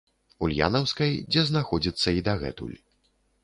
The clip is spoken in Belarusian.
Ульянаўскай, дзе знаходзіцца і дагэтуль.